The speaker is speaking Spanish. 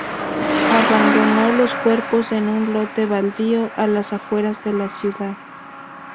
Abandonó los cuerpos en un lote baldío a las afueras de la ciudad.